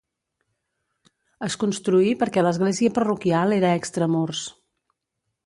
Es construí perquè l'església parroquial era extramurs.